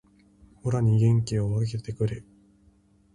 オラに元気を分けてくれー